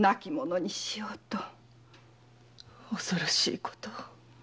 恐ろしいこと。